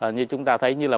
như chúng ta thấy như là